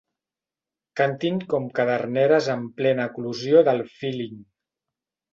Cantin com caderneres en plena eclosió del “Feeling”.